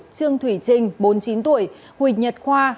trương thủy trình bốn mươi chín tuổi huỳnh nhật khoa